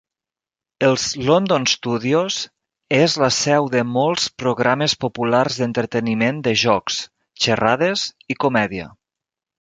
Els London Studios és la seu de molts programes populars d'entreteniment de jocs, xerrades i comèdia.